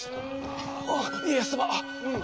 あ家康様。